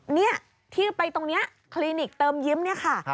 นี่ที่ไปตรงนี้คลินิกเติมยิ้มเนี่ยค่ะ